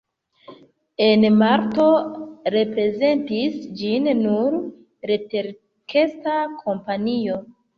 En Malto reprezentis ĝin nur leterkesta kompanio.